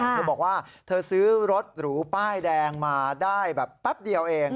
เธอบอกว่าเธอซื้อรถหรูป้ายแดงมาได้แบบแป๊บเดียวเอง